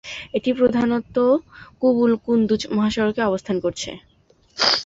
এটি প্রধানত কাবুল-কুন্দুজ মহাসড়কে অবস্থান করছে।